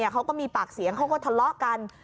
เขาก็มีปากเสียงเขาก็ทะเลาะกัน